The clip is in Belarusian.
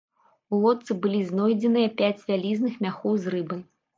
У лодцы былі знойдзеныя пяць вялізных мяхоў з рыбай.